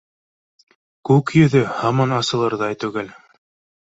Күк йөҙө һаман асылырҙай түгел